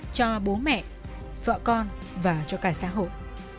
cho bố mẹ vợ con và cho cả xã hội